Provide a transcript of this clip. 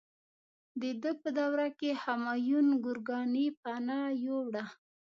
د ده په دوره کې همایون ګورکاني پناه یووړه.